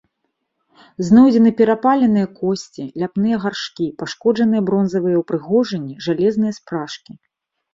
Знойдзены перапаленыя косці, ляпныя гаршкі, пашкоджаныя бронзавыя ўпрыгожанні, жалезныя спражкі.